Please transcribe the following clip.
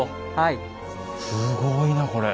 すごいなこれ。